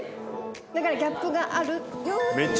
だからギャップがあるよっていう。